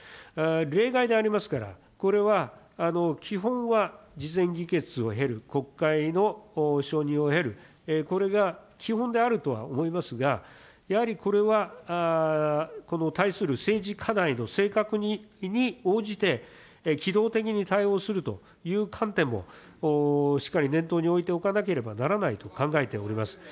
例外でありますから、これは基本は事前議決を経る、国会の承認を経る、これが基本であるとは思いますが、やはりこれは、この対する政治課題の性格に応じて、機動的に対応するという観点も、しっかり念頭に置いておかなければならないと考えております。